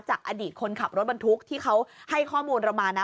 จากอดีตคนขับรถบรรทุกที่เขาให้ข้อมูลเรามานะ